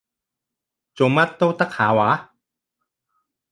做乜都得下話？